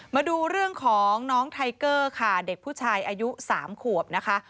มาดูเรื่องของน้องไทเกอร์ค่ะเด็กผู้ชายอายุ๓ขวบนะคะ